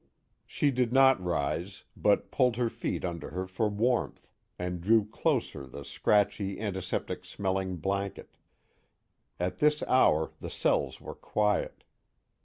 She did not rise, but pulled her feet under her for warmth and drew closer the scratchy antiseptic smelling blanket. At this hour the cells were quiet.